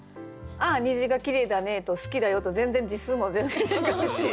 「ああ虹が綺麗だねえ」と「好きだよ」と全然字数も全然違うし。